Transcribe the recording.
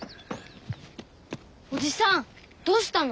おじさんどうしたの？